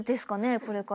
これから。